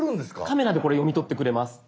カメラでこれ読み取ってくれます。